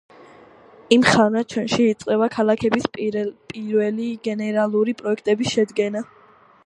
იმხანად ჩვენში იწყება ქალაქების პირველი გენერალური პროექტების შედგენა.